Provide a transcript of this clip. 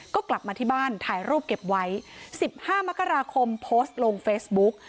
ก็กลับมาที่บ้านถ่ายรูปเก็บไว้๑๕มกราคมโพสต์ลงเฟซบุ๊ก